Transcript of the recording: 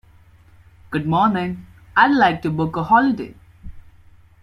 Good morning, I'd like to book a holiday.